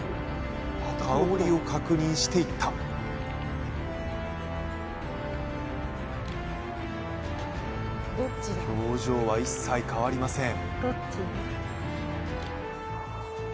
香りを確認していった表情は一切変わりません